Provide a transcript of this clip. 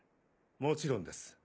もちろんです。